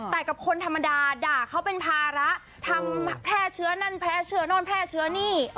แต่กับคนธรรมดาด่าเขาเป็นภาระทำแพร่เชื้อนั่นแพร่เชื้อโน่นแพร่เชื้อนี่